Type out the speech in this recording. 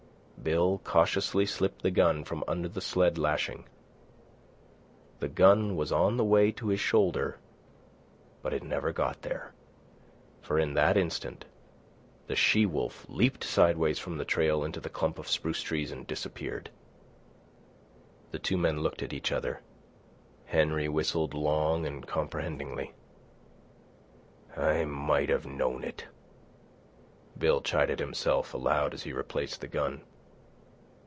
Bill cautiously slipped the gun from under the sled lashing. The gun was on the way to his shoulder, but it never got there. For in that instant the she wolf leaped sidewise from the trail into the clump of spruce trees and disappeared. The two men looked at each other. Henry whistled long and comprehendingly. "I might have knowed it," Bill chided himself aloud as he replaced the gun.